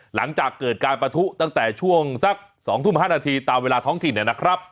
หลังจากเกิดการประทุตั้งแต่ช่วงสัก๒ทุ่ม๕นาทีตามเวลาท้องถิ่นนะครับ